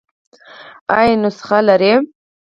ایا نسخه لرئ؟